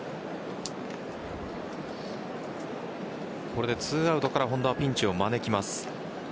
これで２アウトから本田はピンチを招きます。